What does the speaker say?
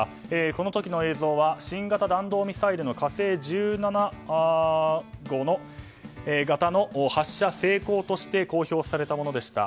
この時の映像は新型弾道ミサイルの「火星１７」型の発射成功として公表されたものでした。